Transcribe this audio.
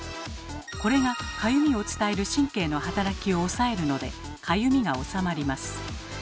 これがかゆみを伝える神経の働きを抑えるのでかゆみがおさまります。